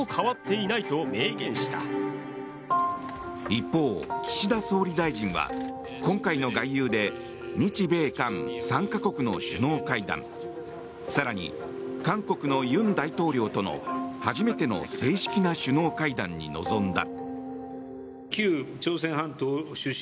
一方、岸田総理大臣は今回の外遊で日米韓３か国の首脳会談更に韓国の尹大統領との初めての正式な首脳会談に臨んだ。